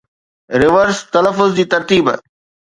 reverse تلفظ جي ترتيب